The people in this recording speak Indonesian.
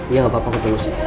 iya gak apa apa aku tunggu sih